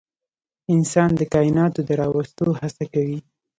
انسان د کایناتو د راوستو هڅه کوي.